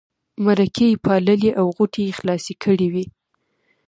مرکې یې پاللې او غوټې یې خلاصې کړې وې.